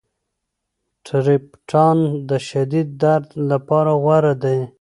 ټریپټان د شدید درد لپاره غوره دي.